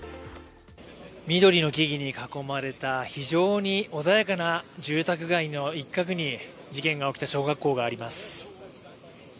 緑の木々に囲まれた非常に穏やかな住宅街の一角に事件が起きた小学校があります。